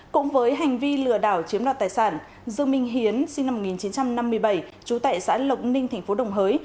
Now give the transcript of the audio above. cũng với hành vi lừa đảo chiếm đoạt tài sản dương minh hiến sinh năm một nghìn chín trăm năm mươi bảy trú tại xã lộc ninh tp đồng hới